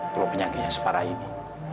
kalau penyakitnya separah ini